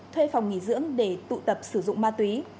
thuê phòng nghỉ dưỡng để tụ tập sử dụng ma túy